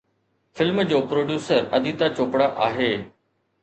Film جو producer Aditya Chopra آهي.